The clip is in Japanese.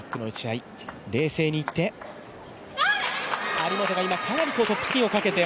張本が今かなりトップスピンをかけて